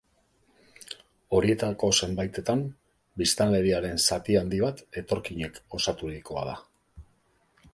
Horietako zenbaitetan, biztanleriaren zati handi bat etorkinek osaturikoa da.